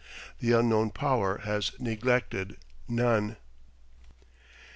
The Unknown Power has neglected none.